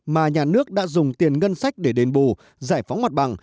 mà nhà nước đã dùng tiền ngân sách để đền bù giải phóng mặt bằng